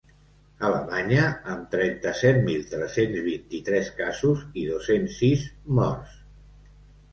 Alemanya, amb trenta-set mil tres-cents vint-i-tres casos i dos-cents sis morts.